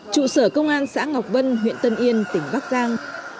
trụ sở công an xã ngọc vân huyện tân yên tỉnh bắc giang